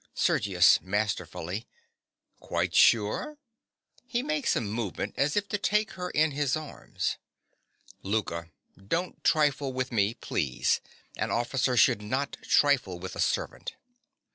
SERGIUS. (masterfully). Quite sure? (He makes a movement as if to take her in his arms.) LOUKA. Don't trifle with me, please. An officer should not trifle with a servant.